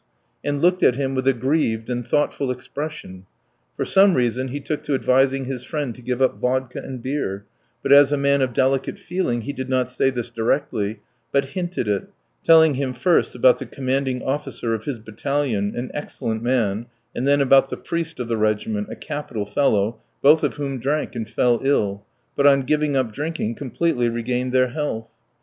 ." and looked at him with a grieved and thoughtful expression; for some reason he took to advising his friend to give up vodka and beer, but as a man of delicate feeling he did not say this directly, but hinted it, telling him first about the commanding officer of his battalion, an excellent man, and then about the priest of the regiment, a capital fellow, both of whom drank and fell ill, but on giving up drinking completely regained their health.